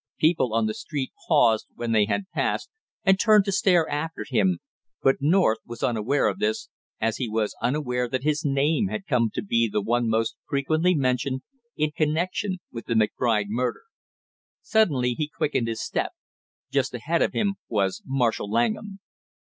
People on the street paused when they had passed and turned to stare after him, but North was unaware of this, as he was unaware that his name had come to be the one most frequently mentioned in connection with the McBride murder. Suddenly he quickened his step; just ahead of him was Marshall Langham.